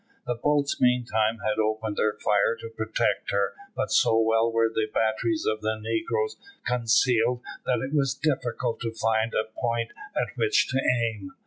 The boats meantime had opened their fire to protect her, but so well were the batteries of the negroes concealed that it was difficult to find out a point at which to aim.